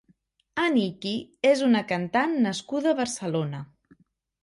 Aniki és una cantant nascuda a Barcelona.